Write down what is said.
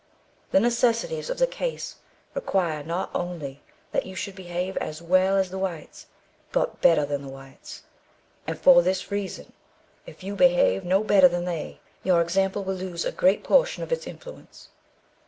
The necessities of the case require not only that you should behave as well as the whites, but better than the whites; and for this reason: if you behave no better than they, your example will lose a great portion of its influence.